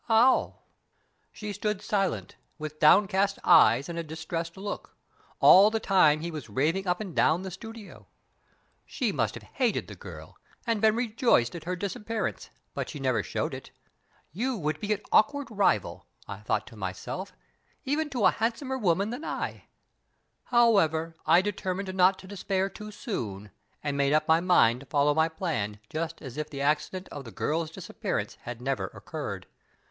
"How?" "She stood silent, with downcast eyes and a distressed look, all the time he was raving up and down the studio. She must have hated the girl, and been rejoiced at her disappearance; but she never showed it. 'You would be an awkward rival' (I thought to myself), 'even to a handsomer woman than I am.' However, I determined not to despair too soon, and made up my mind to follow my plan just as if the accident of the girl's disappearance had never occurred.